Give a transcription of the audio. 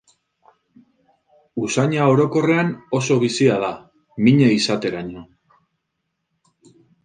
Usaina orokorrean oso bizia da, mina izateraino.